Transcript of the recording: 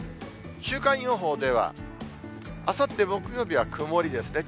週間予報では、あさって木曜日は曇りですね。